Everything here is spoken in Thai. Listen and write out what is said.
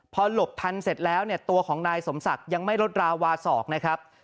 พอหลบทันเสร็จแล้วเนี่ยตัวของนายสมศักดิ์ยังไม่ลดราวาสอกนะครับ